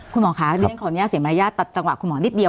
คุณหมอคะเรียนขออนุญาตเสียมารยาทตัดจังหวะคุณหมอนิดเดียว